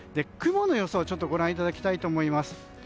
雲の予想をご覧いただきたいと思います。